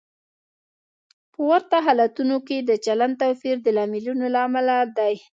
په ورته حالتونو کې د چلند توپیر د لاملونو له امله دی.